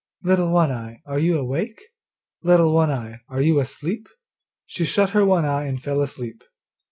'Little One eye, are you awake? Little One eye, are you asleep?' she shut her one eye and fell asleep.